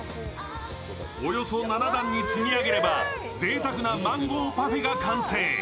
およそ７段に積み上げればぜいたくなマンゴーパフェが完成。